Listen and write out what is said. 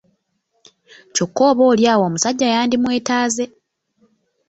Kyokka oboolyawo omusajja yandimwetaaze!